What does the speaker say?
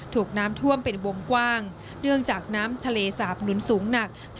ถูกน้ำท่วมเป็นวงกว้างเนื่องจากน้ำทะเลสาบหนุนสูงหนัก